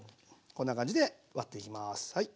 こんな感じで割っていきます。